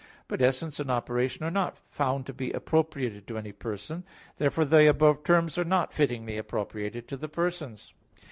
But essence and operation are not found to be appropriated to any person. Therefore the above terms are not fittingly appropriated to the persons.